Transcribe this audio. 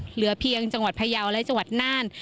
เหลือเพียงจังหวัดพยาวและจังหวัดน่าน